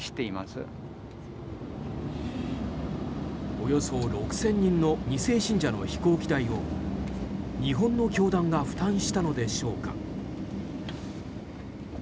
およそ６０００人の２世信者の飛行機代を日本の教団が負担したのでしょうか。